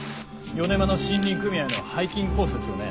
米麻の森林組合のハイキングコースですよね？